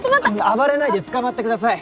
暴れないでつかまってください